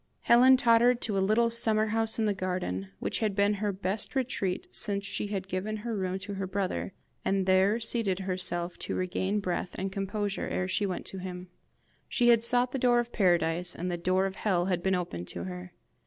Helen tottered to a little summer house in the garden, which had been her best retreat since she had given her room to her brother, and there seated herself to regain breath and composure ere she went to him. She had sought the door of Paradise, and the door of hell had been opened to her!